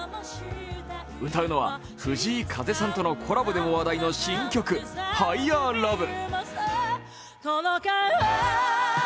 歌うのは藤井風さんとのコラボでも話題の新曲「ＨｉｇｈｅｒＬｏｖｅ」。